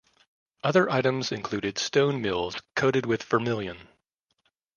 Other items included stone mills coated with vermillion.